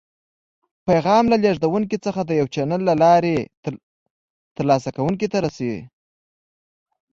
پیغام له لیږدونکي څخه د یو چینل له لارې تر لاسه کوونکي ته رسي.